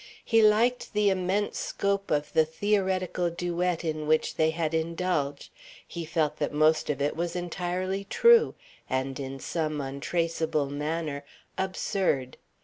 He liked the immense scope of the theoretical duet in which they had indulged. He felt that most of it was entirely true and, in some untraceable manner, absurd.